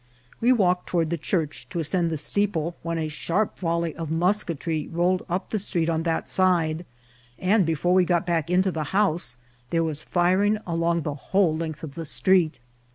We walked toward the church, to ascend the steeple, when a sharp volley of musketry rolled up the street on that side, and before we got back into the house there was firing along the whole length of the street.